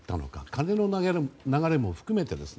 金の流れも含めて